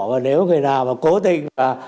và nếu người nào mà cố tình